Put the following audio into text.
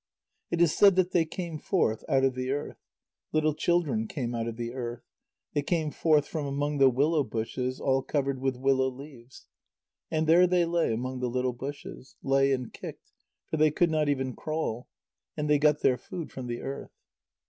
It is said that they came forth out of the earth. Little children came out of the earth. They came forth from among the willow bushes, all covered with willow leaves. And there they lay among the little bushes: lay and kicked, for they could not even crawl. And they got their food from the earth.